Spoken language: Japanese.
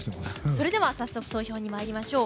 それでは、早速投票に参りましょう。